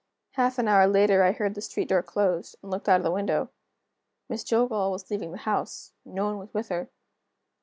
Half an hour later I heard the street door closed, and looked out of the window. Miss Jillgall was leaving the house; no one was with her.